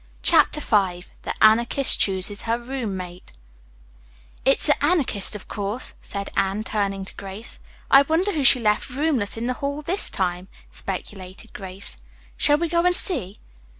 CHAPTER V THE ANARCHIST CHOOSES HER ROOMMATE "It's the Anarchist, of course," said Anne, turning to Grace. "I wonder who she left roomless in the hall this time," speculated Grace. "Shall we go and see?"